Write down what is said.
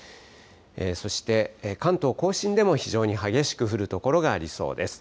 そして関東甲信でも非常に激しく降る所がありそうです。